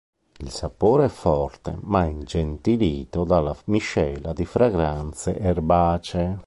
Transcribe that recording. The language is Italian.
Il sapore è forte ma ingentilito dalla miscela di fragranze erbacee.